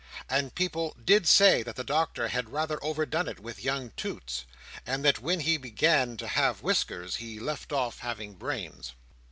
And people did say that the Doctor had rather overdone it with young Toots, and that when he began to have whiskers he left off having brains.